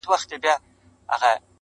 ماته تر لحده خپل نصیب قفس لیکلی دی -